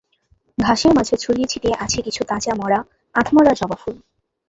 ঘাসের মাঝে ছড়িয়ে ছিটিয়ে আছে কিছু তাজা, মরা, আধমরা জবা ফুল।